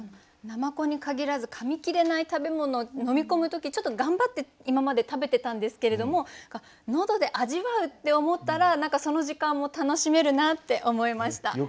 海鼠に限らず噛み切れない食べ物を飲み込む時ちょっと頑張って今まで食べてたんですけれども喉で味わうって思ったら何かその時間も楽しめるなって思いました。